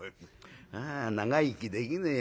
あ長生きできねえよ